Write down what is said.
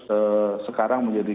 ee sekarang menjadi